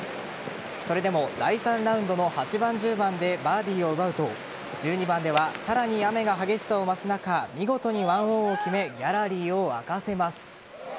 それでも第３ラウンドの８番、１０番でバーディーを奪うと１２番ではさらに雨が激しさを増す中見事に１オンを決めギャラリーを沸かせます。